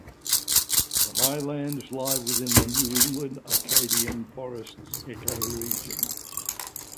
The Highlands lie within the New England-Acadian forests ecoregion.